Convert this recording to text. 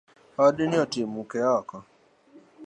Odni oti muke oko.